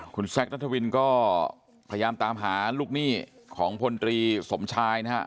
คุณแซคนัทวินก็พยายามตามหาลูกหนี้ของพลตรีสมชายนะฮะ